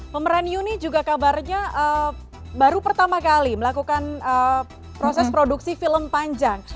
pemeran yuni juga kabarnya baru pertama kali melakukan proses produksi film panjang